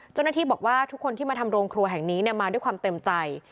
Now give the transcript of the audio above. เจ้าหน้าที่บอกว่าทุกคนที่มาทำโรงครัวแห่งนี้มาด้วยความเต็มใจ